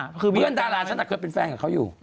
เพื่อนดาราฉันเคยเป็นแฟนกับเขาอยู่